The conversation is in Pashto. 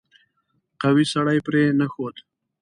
قوي سړی پرې نه ښود.